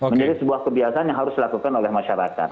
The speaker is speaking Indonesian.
menjadi sebuah kebiasaan yang harus dilakukan oleh masyarakat